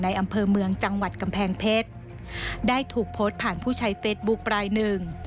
อำเภอเมืองจังหวัดกำแพงเพชรได้ถูกโพสต์ผ่านผู้ใช้เฟซบุ๊คลายหนึ่ง